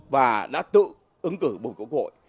và đã tự ứng cử bầu cử quốc hội